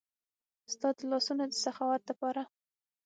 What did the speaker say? ستا د لاسونو د سخاوت د پاره